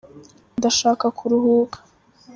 Ndashaka ku ruhuka.